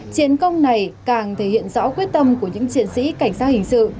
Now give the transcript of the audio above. chiến công này càng thể hiện rõ quyết tâm của những chiến sĩ cảnh sát hình sự